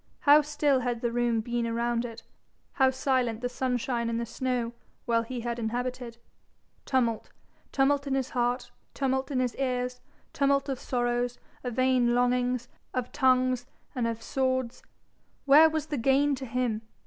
How still had the room been around it, how silent the sunshine and the snow, while he had inhabited tumult tumult in his heart, tumult in his ears, tumult of sorrows, of vain longings, of tongues and of swords! Where was the gain to him?